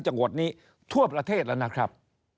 จังหวัดนี้ทั่วประเทศแล้วนะครับ